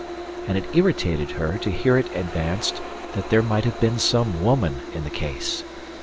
And it irritated her to hear it advanced that there might have been some woman in the case.